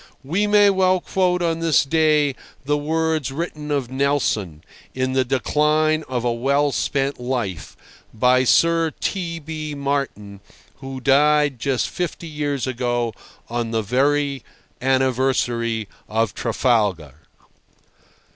We may well quote on this day the words written of Nelson, in the decline of a well spent life, by Sir T. B. Martin, who died just fifty years ago on the very anniversary of Trafalgar.